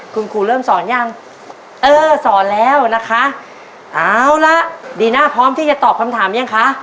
คุณครูเริ่มสอนยังเออสอนแล้วนะคะเอาละดีน่าพร้อมที่จะตอบคำถามยังคะ